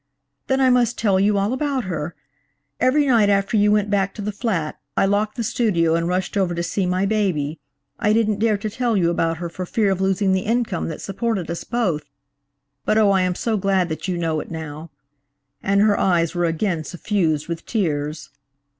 "Then I must tell you all about her. Every night after you went back to the flat, I locked the studio and rushed over to see my baby. I didn't dare to tell you about her for fear of losing the income that supported us both; but, oh, I am so glad that you know it now," and her eyes were again suffused with tears.